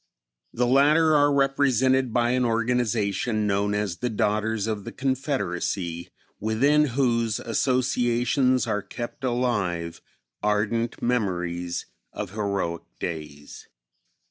The latter are represented by an organization known as "The Daughters of the Confederacy," within whose associations are kept alive ardent memories of heroic days.